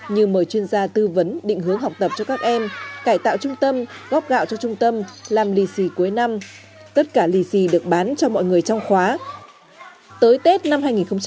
như mời chuyên gia tư vấn định hướng học tập cho các em cải tạo trung tâm góp gạo cho trung tâm làm lì xì cuối năm